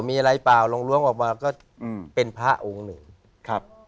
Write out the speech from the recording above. มีอะไรเปล่าลองล้วงออกมาก็อืมเป็นพระองค์หนึ่งครับ